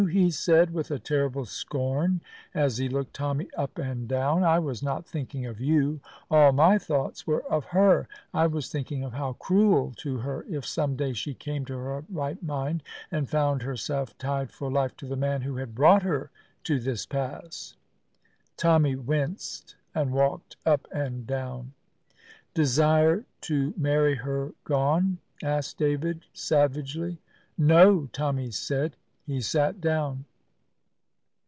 he said with a terrible scorn as he looked Tommy up and down. "I was not thinking of you. All my thoughts were of her. I was thinking how cruel to her if some day she came to her right mind and found herself tied for life to the man who had brought her to this pass." Tommy winced and walked up and down. "Desire to marry her gone?" asked David, savagely. "No," Tommy said. He sat down.